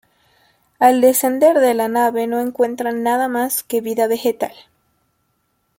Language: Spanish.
Al descender de la nave no encuentran nada más que vida vegetal.